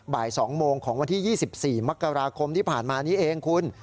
บ่าย๒โมงของวันที่๒๔มกราคมที่ผ่านมานี้เองคุณ